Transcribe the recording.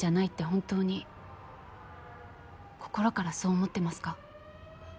本当に心からそう思ってますか？